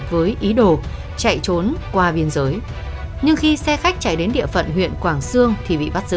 với ý đồ chạy trốn qua biên giới nhưng khi xe khách chạy đến địa phận huyện quảng sương thì bị bắt giữ